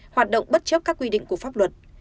hoạt động bất chấp các quy định của pháp luật